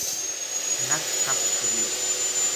نک کَپ چھُڑیو